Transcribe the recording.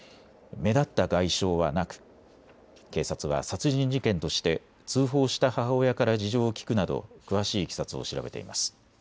目立った外傷はなく、警察は殺人事件として通報した母親から事情を聴くなど詳しいいきさつを調べています。